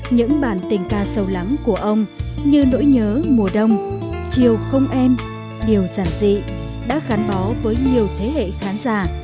những bản tình ca sâu lắng của ông như nỗi nhớ mùa đông chiều không em điều giản dị đã gắn bó với nhiều thế hệ khán giả